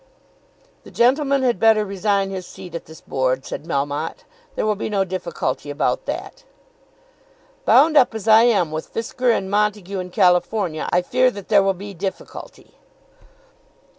"The gentleman had better resign his seat at this Board," said Melmotte. "There will be no difficulty about that." "Bound up as I am with Fisker and Montague in California I fear that there will be difficulty."